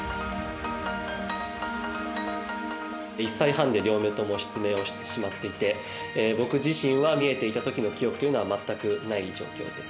１歳半で両目とも失明をしてしまっていて僕自身は見えていたときの記憶というのは全くない状況です。